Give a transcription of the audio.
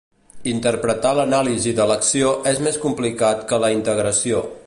Interpretar l'anàlisi d'elecció és més complicat que la integració.